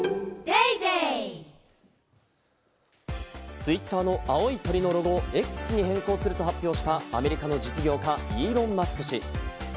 Ｔｗｉｔｔｅｒの青い鳥のロゴをＸに変更すると発表したアメリカの実業家、イーロン・マスク氏。